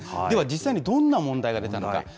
では実際に、どんな問題が出たのか。